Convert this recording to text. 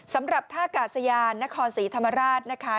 สำหรับท่ากาศยานนครศรีธรรมราชนะคะ